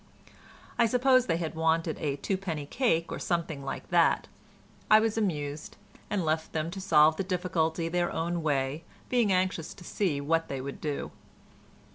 I suppose they had wanted a twopenny cake, or something like that. I was amused, and left them to solve the difficulty their own way, being anxious to see what they would do.